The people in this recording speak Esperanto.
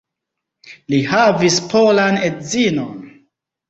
Li havis polan edzinon.